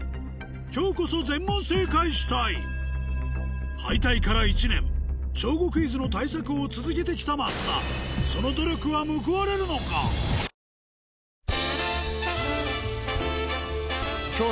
今日こそ全問正解したい敗退から１年『小５クイズ』の対策を続けてきた松田最近胃にくるのよ。